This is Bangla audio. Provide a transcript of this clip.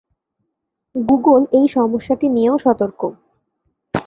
গুগল এই সমস্যাটি নিয়েও সতর্ক।